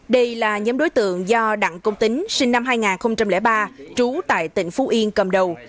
đây là nhóm đối tượng do đặng công tính sinh năm hai nghìn ba trú tại tỉnh phú yên cầm đầu